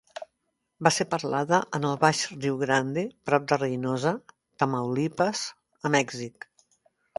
Va ser parlada en el baix Riu Grande prop de Reynosa, Tamaulipas, a Mèxic.